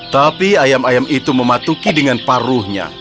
tapi ayam ayam itu mematuki dengan paruhnya